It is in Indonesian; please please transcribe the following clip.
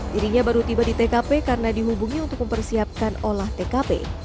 dirinya baru tiba di tkp karena dihubungi untuk mempersiapkan olah tkp